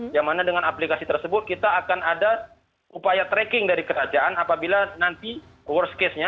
yang mana dengan aplikasi tersebut kita akan ada upaya tracking dari kerajaan apabila nanti worst case nya